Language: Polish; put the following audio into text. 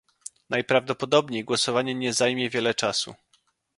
Najprawdopodobniej głosowanie nie zajmie wiele czasu